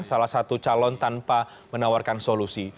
salah satu calon tanpa menawarkan solusi